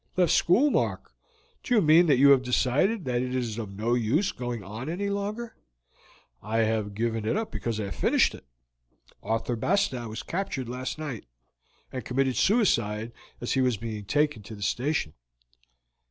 "Left school, Mark? Do you mean that you have decided that it is of no use going on any longer?" "I have given it up because I have finished it. Arthur Bastow was captured last night, and committed suicide as he was being taken to the station."